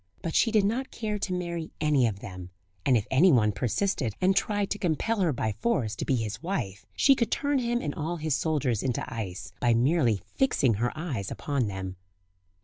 But she did not care to marry any of them; and if anyone persisted, and tried to compel her by force to be his wife, she could turn him and all his soldiers into ice, by merely fixing her eyes upon them.